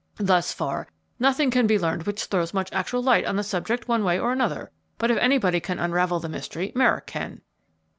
"Thus far nothing can be learned which throws much actual light on the subject one way or another, but if anybody can unravel the mystery, Merrick can."